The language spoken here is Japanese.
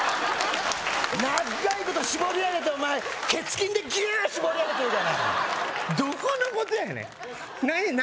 長いことしぼりあげてお前ケツ筋でギューしぼりあげとるじゃないどこのことやねん何？